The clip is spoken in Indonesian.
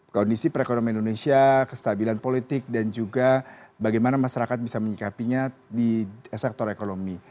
kondisi perekonomian indonesia kestabilan politik dan juga bagaimana masyarakat bisa menyikapinya di sektor ekonomi